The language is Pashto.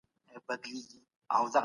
په بریتانیا کې د نسخو محدودیتونه سخت شوي.